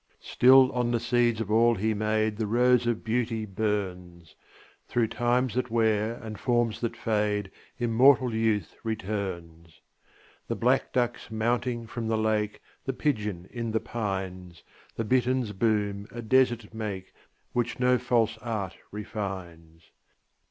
Still on the seeds of all he made The rose of beauty burns; Through times that wear, and forms that fade, Immortal youth returns. The black ducks mounting from the lake, The pigeon in the pines, The bittern's boom, a desert make Which no false art refines.